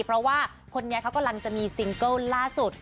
เพราะว่าคนนี้เขากำลังจะมีซิงเกิลล่าสุด